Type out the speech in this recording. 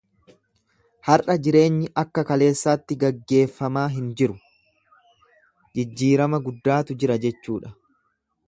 Har'a jireenyi akka kaleessaatti gaggeeffamaa hin jiru, jijjiirama guddaatu jira jechuudha.